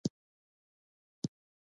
په موږ دی لارويه د چا پام او د چا ياد